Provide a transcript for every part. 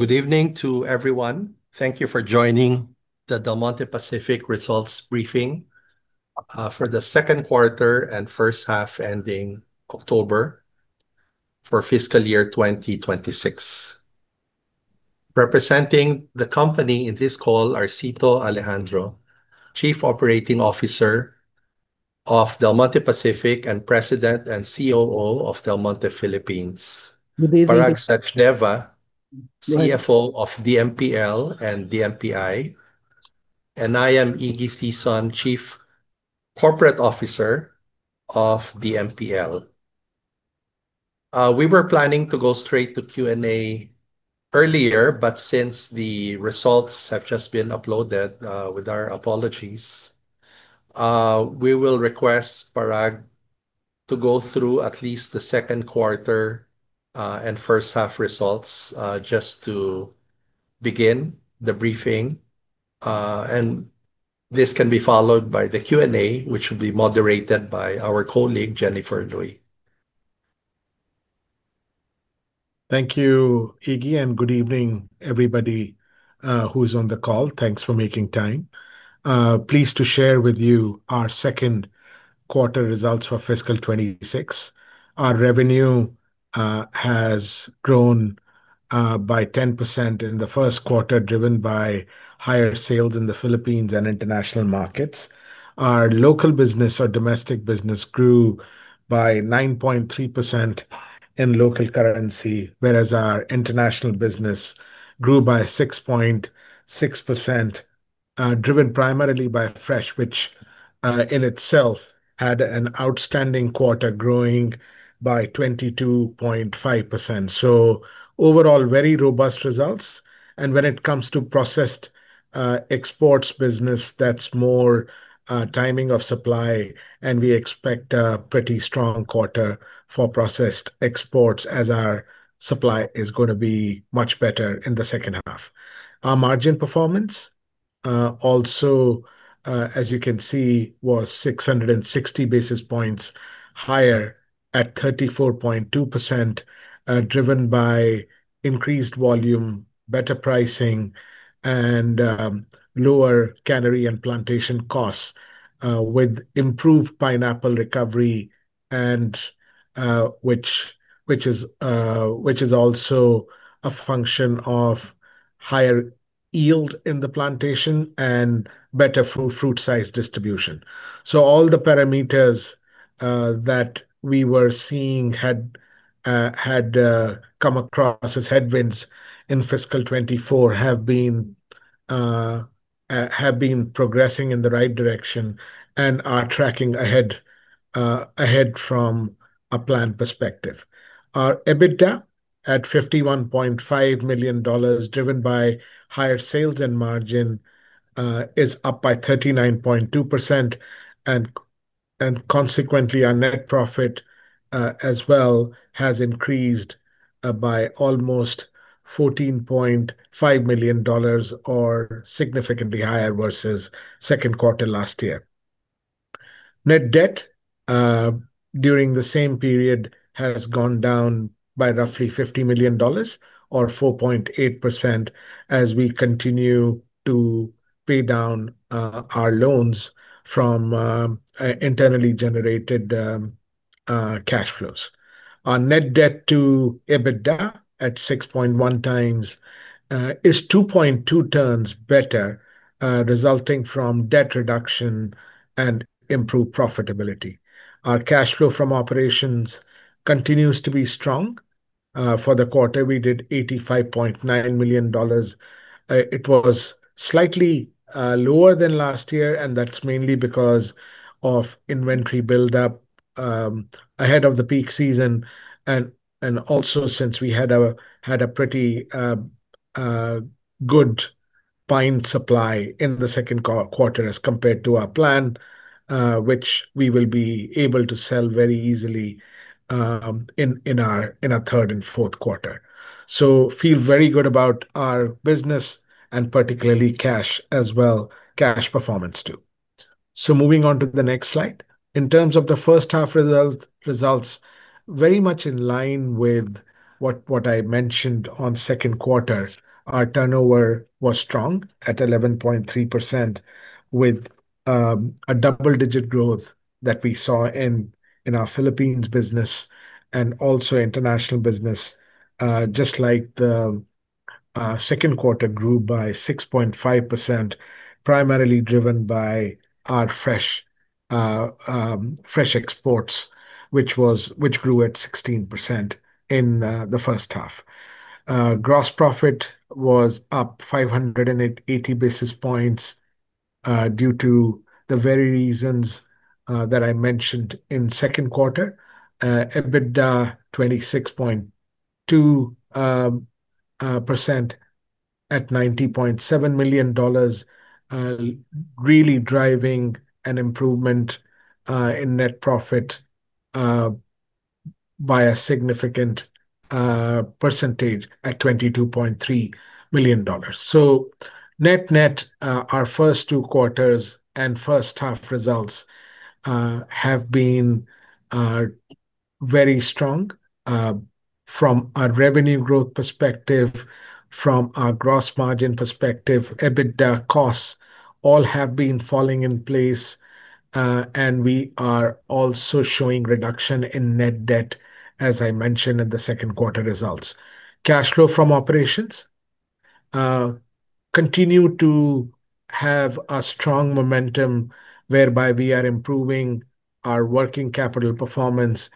Good evening to everyone. Thank you for joining the Del Monte Pacific results briefing for the second quarter and first half ending October for fiscal year 2026. Representing the company in this call are Cito Alejandro, Chief Operating Officer of Del Monte Pacific and President and COO of Del Monte Philippines. Parag Sachdeva, CFO of DMPL and DMPI, and I am Iggy Sison, Chief Corporate Officer of DMPL. We were planning to go straight to Q&A earlier, but since the results have just been uploaded, with our apologies, we will request Parag to go through at least the second quarter and first half results just to begin the briefing and this can be followed by the Q&A, which will be moderated by our colleague, Jennifer Luy. Thank you, Iggy and good evening, everybody who's on the call. Thanks for making time. Pleased to share with you our second quarter results for fiscal 2026. Our revenue has grown by 10% in the first quarter, driven by higher sales in the Philippines and international markets. Our local business, or domestic business, grew by 9.3% in local currency, whereas our international business grew by 6.6%, driven primarily by fresh, which in itself had an outstanding quarter, growing by 22.5%. So overall, very robust results. And when it comes to processed exports business, that's more timing of supply. And we expect a pretty strong quarter for processed exports, as our supply is going to be much better in the second half. Our margin performance, also, as you can see, was 660 basis points higher at 34.2%, driven by increased volume, better pricing, and lower cannery and plantation costs, with improved pineapple recovery, which is also a function of higher yield in the plantation and better fruit size distribution. So all the parameters that we were seeing had come across as headwinds in fiscal 2024 have been progressing in the right direction and are tracking ahead from a planned perspective. Our EBITDA at $51.5 million, driven by higher sales and margin, is up by 39.2%. And consequently, our net profit as well has increased by almost $14.5 million, or significantly higher versus second quarter last year. Net debt during the same period has gone down by roughly $50 million, or 4.8%, as we continue to pay down our loans from internally generated cash flows. Our net debt to EBITDA at 6.1 times is 2.2 times better, resulting from debt reduction and improved profitability. Our cash flow from operations continues to be strong. For the quarter, we did $85.9 million. It was slightly lower than last year, and that's mainly because of inventory buildup ahead of the peak season, and also, since we had a pretty good pineapple supply in the second quarter as compared to our plan, which we will be able to sell very easily in our third and fourth quarter, so feel very good about our business and particularly cash as well, cash performance too, so moving on to the next slide. In terms of the first half results, very much in line with what I mentioned on second quarter, our turnover was strong at 11.3%, with a double-digit growth that we saw in our Philippines business and also international business, just like the second quarter grew by 6.5%, primarily driven by our fresh exports, which grew at 16% in the first half. Gross profit was up 580 basis points due to the very reasons that I mentioned in second quarter. EBITDA 26.2% at $90.7 million, really driving an improvement in net profit by a significant percentage at $22.3 million. So net net, our first two quarters and first half results have been very strong from our revenue growth perspective, from our gross margin perspective. EBITDA costs all have been falling in place, and we are also showing reduction in net debt, as I mentioned in the second quarter results. Cash flow from operations continues to have a strong momentum whereby we are improving our working capital performance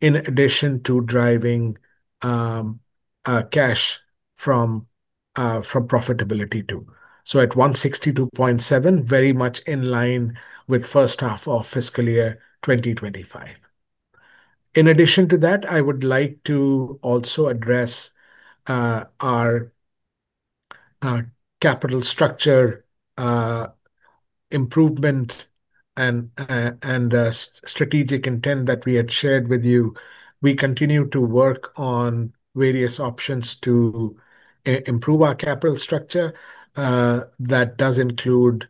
in addition to driving cash from profitability too, so at $162.7, very much in line with first half of fiscal year 2025. In addition to that, I would like to also address our capital structure improvement and strategic intent that we had shared with you. We continue to work on various options to improve our capital structure. That does include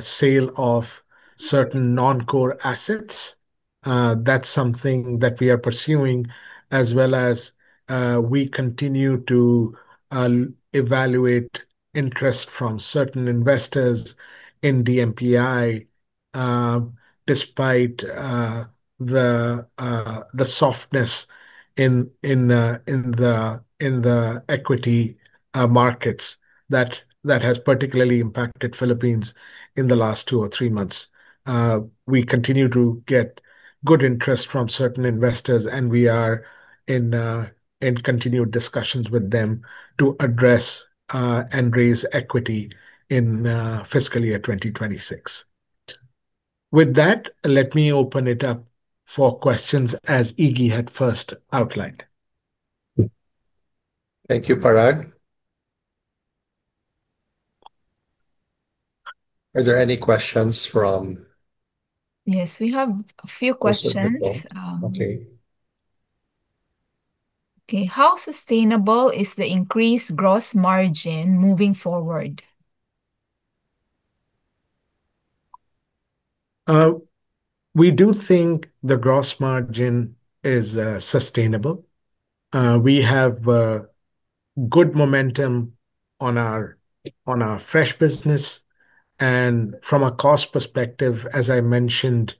sale of certain non-core assets. That's something that we are pursuing, as well as we continue to evaluate interest from certain investors in DMPI, despite the softness in the equity markets that has particularly impacted Philippines in the last two or three months. We continue to get good interest from certain investors, and we are in continued discussions with them to address and raise equity in fiscal year 2026. With that, let me open it up for questions, as Iggy had first outlined. Thank you, Parag. Are there any questions from? Yes, we have a few questions. Okay. Okay. How sustainable is the increased gross margin moving forward? We do think the gross margin is sustainable. We have good momentum on our fresh business and from a cost perspective, as I mentioned,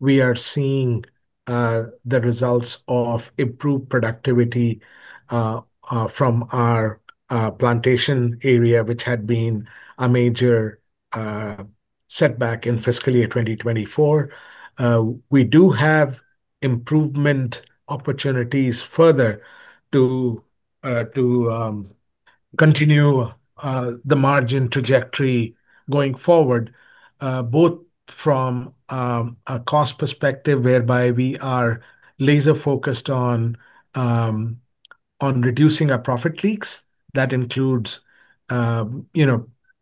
we are seeing the results of improved productivity from our plantation area, which had been a major setback in fiscal year 2024. We do have improvement opportunities further to continue the margin trajectory going forward, both from a cost perspective whereby we are laser-focused on reducing our profit leaks. That includes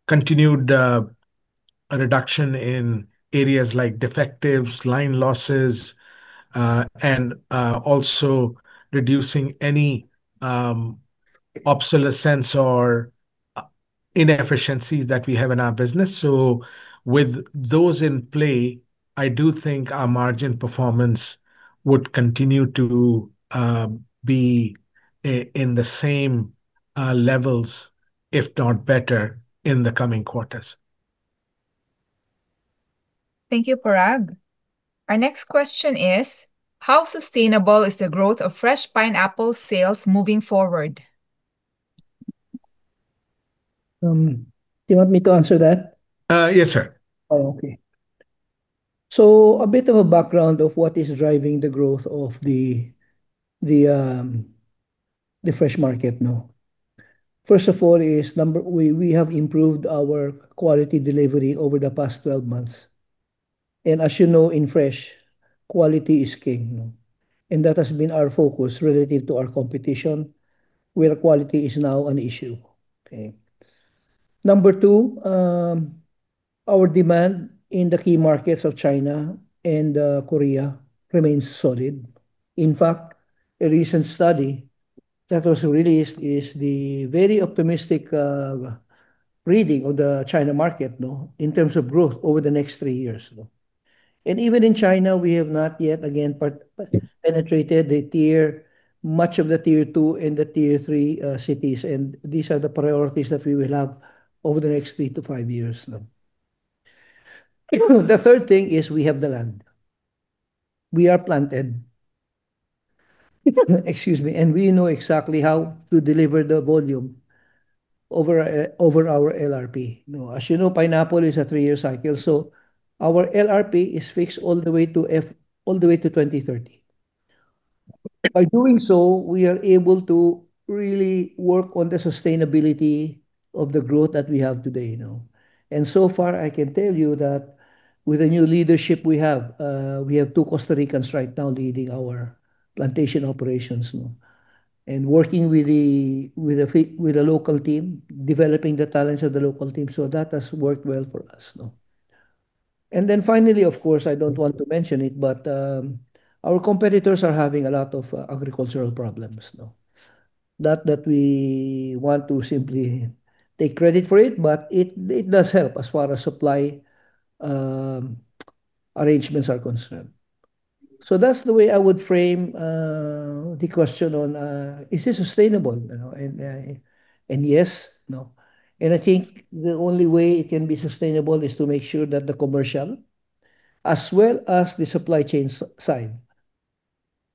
continued reduction in areas like defectives, line losses, and also reducing any obsolescence or inefficiencies that we have in our business. So with those in play, I do think our margin performance would continue to be in the same levels, if not better, in the coming quarters. Thank you, Parag. Our next question is, how sustainable is the growth of fresh pineapple sales moving forward? Do you want me to answer that? Yes, sir. Oh, okay, so a bit of a background of what is driving the growth of the fresh market. First of all, we have improved our quality delivery over the past 12 months, and as you know, in fresh, quality is king, and that has been our focus relative to our competition, where quality is now an issue. Okay. Number 2, our demand in the key markets of China and Korea remains solid. In fact, a recent study that was released is the very optimistic reading of the China market in terms of growth over the next three years, and even in China, we have not yet again penetrated much of the Tier and the Tier 3 cities, and these are the priorities that we will have over the next three to five years. The third thing is we have the land. We are planted. Excuse me. And we know exactly how to deliver the volume over our LRP. As you know, pineapple is a three-year cycle. So our LRP is fixed all the way to 2030. By doing so, we are able to really work on the sustainability of the growth that we have today. So far, I can tell you that with the new leadership we have, we have two Costa Ricans right now leading our plantation operations and working with a local team, developing the talents of the local team. So that has worked well for us and then finally, of course, I don't want to mention it, but our competitors are having a lot of agricultural problems. Not that we want to simply take credit for it, but it does help as far as supply arrangements are concerned. So that's the way I would frame the question on, Is this sustainable? Yes. I think the only way it can be sustainable is to make sure that the commercial, as well as the supply chain side,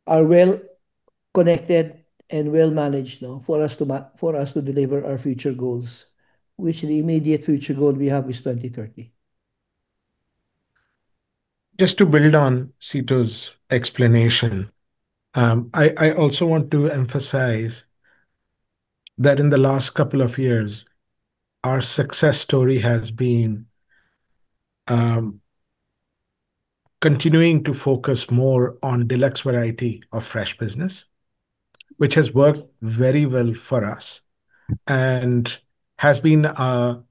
are well connected and well managed for us to deliver our future goals, which the immediate future goal we have is 2030. Just to build on Cito's explanation, I also want to emphasize that in the last couple of years, our success story has been continuing to focus more on deluxe variety of fresh business, which has worked very well for us and has been a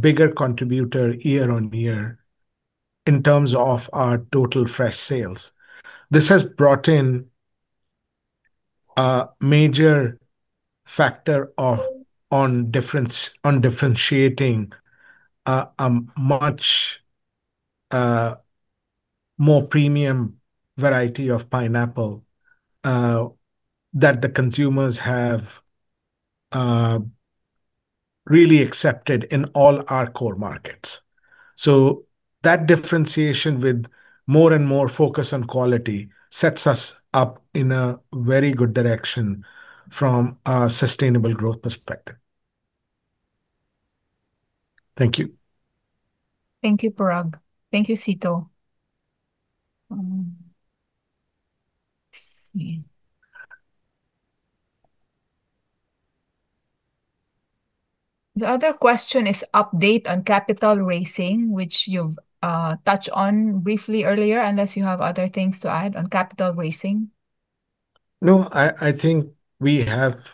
bigger contributor year on year in terms of our total fresh sales. This has brought in a major factor on differentiating a much more premium variety of pineapple that the consumers have really accepted in all our core markets. So that differentiation with more and more focus on quality sets us up in a very good direction from a sustainable growth perspective. Thank you. Thank you, Parag. Thank you, Cito. Let's see. The other question is update on capital raising, which you've touched on briefly earlier, unless you have other things to add on capital raising. No, I think we have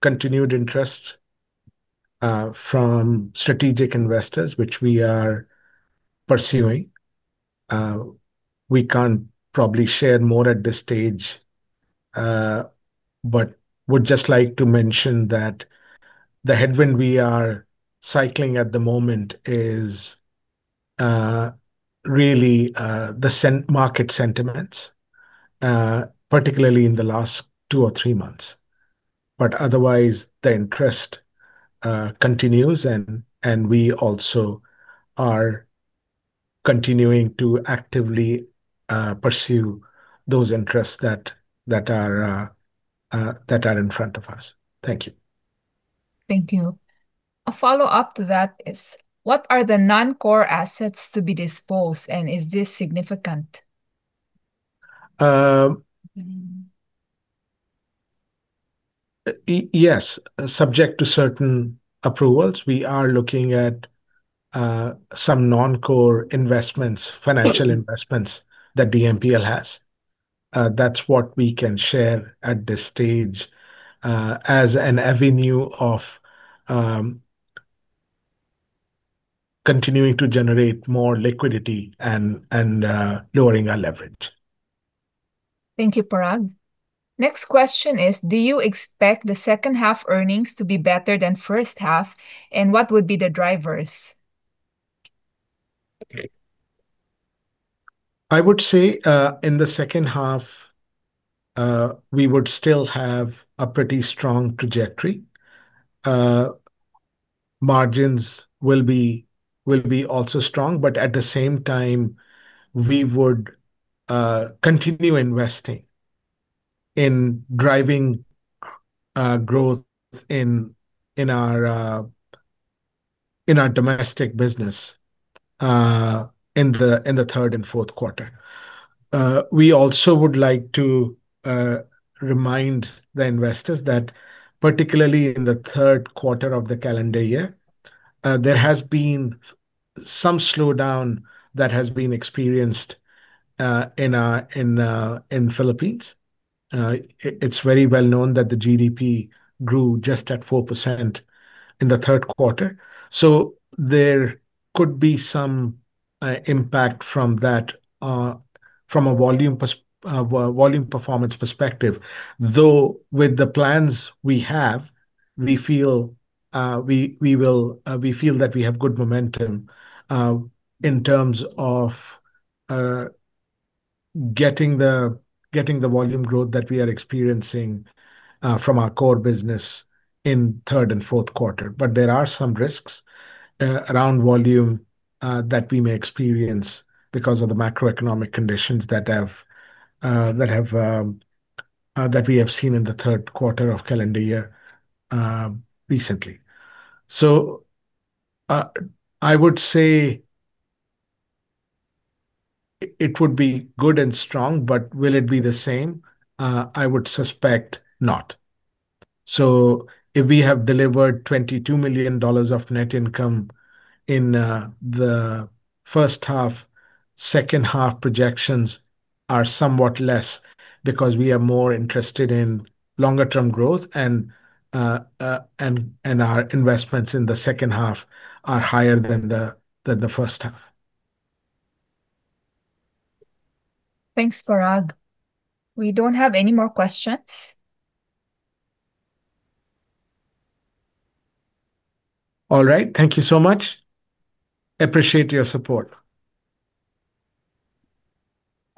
continued interest from strategic investors, which we are pursuing. We can't probably share more at this stage, but would just like to mention that the headwind we are cycling at the moment is really the market sentiments, particularly in the last two or three months. But otherwise, the interest continues, and we also are continuing to actively pursue those interests that are in front of us. Thank you. Thank you. A follow-up to that is, what are the non-core assets to be disposed, and is this significant? Yes, subject to certain approvals. We are looking at some non-core investments, financial investments that DMPL has. That's what we can share at this stage as an avenue of continuing to generate more liquidity and lowering our leverage. Thank you, Parag. Next question is, do you expect the second half earnings to be better than first half, and what would be the drivers? I would say in the second half, we would still have a pretty strong trajectory. Margins will be also strong, but at the same time, we would continue investing in driving growth in our domestic business in the third and fourth quarter. We also would like to remind the investors that particularly in the third quarter of the calendar year, there has been some slowdown that has been experienced in the Philippines. It's very well known that the GDP grew just at 4% in the third quarter. So there could be some impact from that from a volume performance perspective. Though with the plans we have, we feel that we have good momentum in terms of getting the volume growth that we are experiencing from our core business in third and fourth quarter. But there are some risks around volume that we may experience because of the macroeconomic conditions that we have seen in the third quarter of calendar year recently. So I would say it would be good and strong, but will it be the same? I would suspect not. So if we have delivered $22 million of net income in the first half, second half projections are somewhat less because we are more interested in longer-term growth, and our investments in the second half are higher than the first half. Thanks, Parag. We don't have any more questions. All right. Thank you so much. Appreciate your support.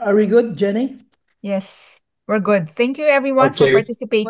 Are we good, Jenny? Yes, we're good. Thank you, everyone, for participating.